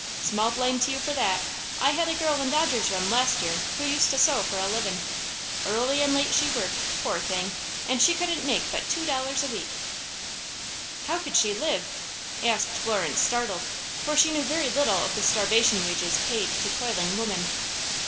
"Small blame to you for that. I had a girl in Dodger's room last year who used to sew for a livin'. Early and late she worked, poor thing, and she couldn't make but two dollars a week." "How could she live?" asked Florence, startled, for she knew very little of the starvation wages paid to toiling women.